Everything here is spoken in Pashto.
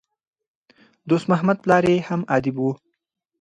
دوست محمد پلار ئې هم ادیب وو.